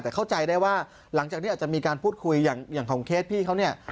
แต่เข้าใจได้ว่าหลังจากนี้อาจจะมีการพูดคุยอย่างของเคสพี่เขาเนี่ย